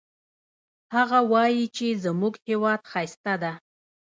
هغه وایي چې زموږ هیواد ښایسته ده